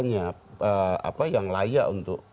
yang layak untuk